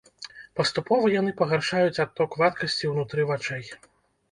Паступова яны пагаршаюць адток вадкасці ўнутры вачэй.